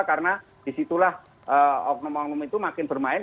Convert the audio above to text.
karena disitulah oknum oknum itu makin bermain